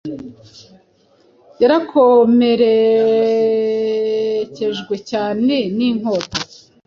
Yarakomerekejwe cyane ninkota-